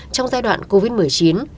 trong giai đoạn covid một mươi chín